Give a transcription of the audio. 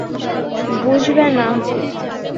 তুমি বুঝবে না।